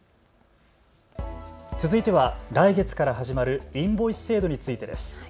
続いては来月から始まるインボイス制度についてです。